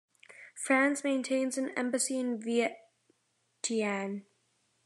France maintains an embassy in Vientiane.